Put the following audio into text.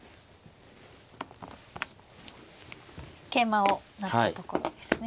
桂馬を成ったところですね。